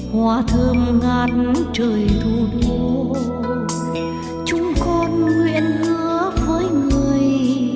hòa thơm ngát trời thủ đô chúng con nguyện hứa với người